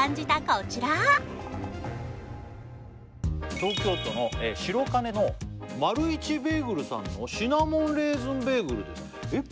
こちら東京都の白金のマルイチベーグルさんのシナモンレーズンベーグルですえっ